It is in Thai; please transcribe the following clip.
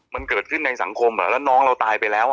มันเกิดขึ้นในสังคมแล้วน้องเราตายไปแล้ว